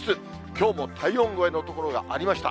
きょうも体温超えの所がありました。